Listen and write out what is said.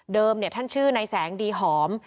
ท่านชื่อนายแสงดีหอม